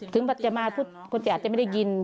จะมาทุกคนจะอาจจะไม่ได้ยิน